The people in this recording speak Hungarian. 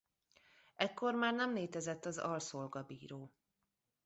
Ekkor már nem létezett az alszolgabíró.